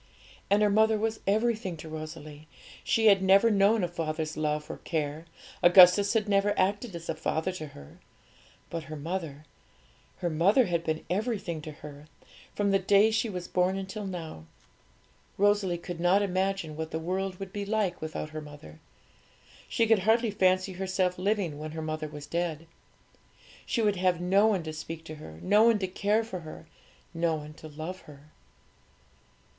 And her mother was everything to Rosalie. She had never known a father's love or care; Augustus had never acted as a father to her. But her mother her mother had been everything to her, from the day she was born until now. Rosalie could not imagine what the world would be like without her mother. She could hardly fancy herself living when her mother was dead. She would have no one to speak to her, no one to care for her, no one to love her.